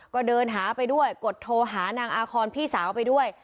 ก็เดินหาไปด้วยกดโทรหานางอาคอนพี่สาวไปด้วย